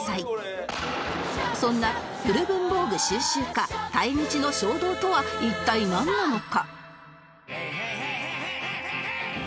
そんな古文房具蒐集家たいみちの衝動とは一体なんなのか？